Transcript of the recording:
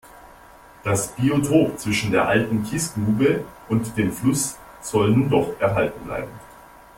Das Biotop zwischen der alten Kiesgrube und dem Fluss soll nun doch erhalten bleiben.